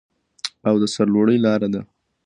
او د سرلوړۍ لاره ده.